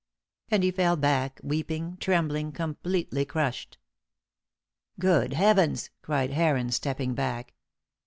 And he fell back weeping, trembling, completely crushed. "Good Heavens cried Heron, stepping back.